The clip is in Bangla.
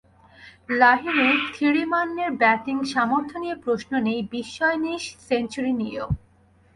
লাহিরু থিরিমান্নের ব্যাটিং সামর্থ্য নিয়ে প্রশ্ন নেই, বিস্ময় নেই সেঞ্চুরি নিয়েও।